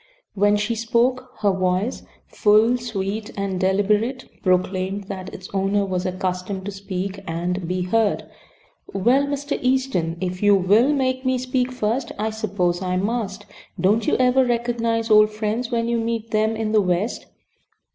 When she spoke her voice, full, sweet, and deliberate, proclaimed that its owner was accustomed to speak and be heard. "Well, Mr. Easton, if you ~will~ make me speak first, I suppose I must. Don't vou ever recognize old friends when you meet them in the West?"